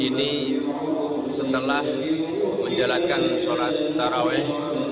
ini setelah menjalankan sholat taraweh